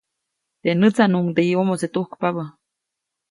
Teʼ nätsaʼnuŋde yomose tujkpabä.